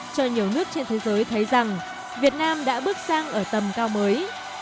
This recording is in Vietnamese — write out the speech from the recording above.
cho nhiều nước trên thế giới thấy rằng việt nam đã bước sang ở tầm cao mới